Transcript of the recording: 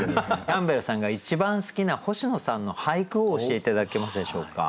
キャンベルさんが一番好きな星野さんの俳句を教えて頂けますでしょうか。